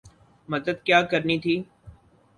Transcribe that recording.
مدد کیا کرنی تھی۔